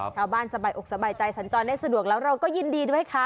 สบายอกสบายใจสัญจรได้สะดวกแล้วเราก็ยินดีด้วยค่ะ